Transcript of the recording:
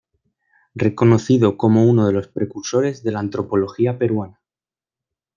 Reconocido como uno de los precursores de la antropología peruana.